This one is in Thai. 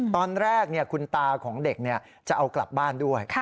ตอนแรกคุณตาของเด็กจะเอากลับบ้านด้วย